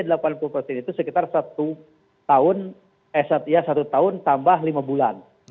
jadi sekitar satu tahun tambah lima bulan